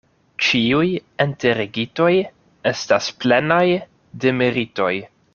Ĉiuj enterigitoj estas plenaj de meritoj.